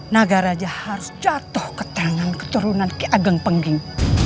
naga raja harus jatuh ke tangan keturunan kiageng pengging